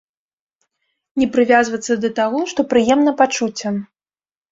Не прывязвацца да таго, што прыемна пачуццям.